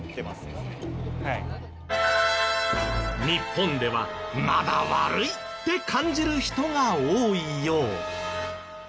日本ではまだ悪いって感じる人が多いよう。